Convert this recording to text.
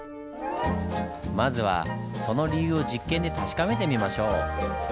まずはその理由を実験で確かめてみましょう。